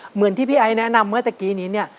เหมือนที่พี่ไอ้แนะนำเมื่อตะกี้นี้เนี่ย